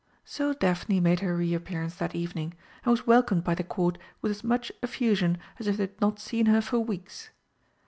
So Daphne made her re appearance that evening, and was welcomed by the Court with as much effusion as if they had not seen her for weeks.